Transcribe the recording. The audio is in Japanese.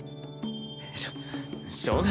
しょしょうがないな。